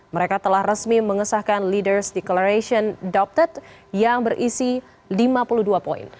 mereka telah resmi mengesahkan leaders declaration doupted yang berisi lima puluh dua poin